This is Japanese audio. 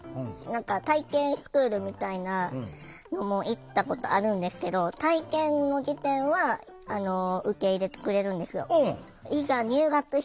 体験スクールみたいなのも行ったことあるんですけど体験の時点は受け入れてくれるんですよ。